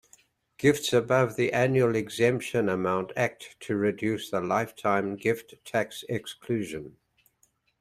Gifts above the annual exemption amount act to reduce the lifetime gift tax exclusion.